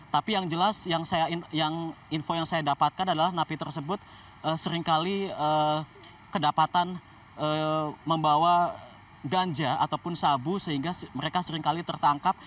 tapi yang jelas yang info yang saya dapatkan adalah napi tersebut seringkali kedapatan membawa ganja ataupun sabu sehingga mereka seringkali tertangkap